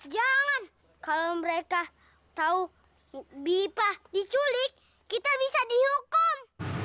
jangan kalau mereka tahu bipa diculik kita bisa dihukum